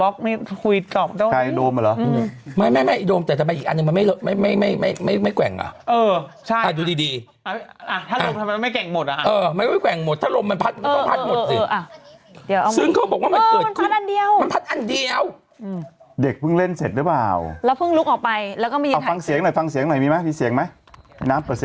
เขาอาจจะไปประยุกต์จริงเป็นไปได้เลยอู๋น่ากินว่าหอมแดงอันนี้